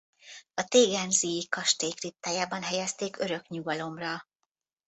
A tegernsee-i kastély kriptájában helyezték örök nyugalomra.